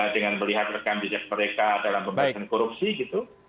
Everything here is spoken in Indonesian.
dengan melihat rekam bijak mereka dalam pembuatan korupsi gitu